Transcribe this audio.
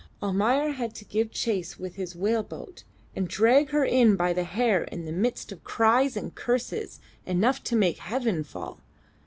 Almayer had to give chase with his whale boat and drag her in by the hair in the midst of cries and curses enough to make heaven fall.